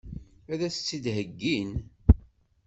Ad as-tt-id-heggin?